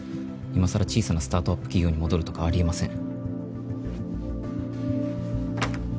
いまさら小さなスタートアップ企業に戻るとかありえません